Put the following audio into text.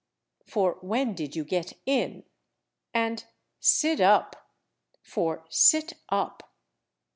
(for "when did you get in?"), and "siddup" (for "sit up").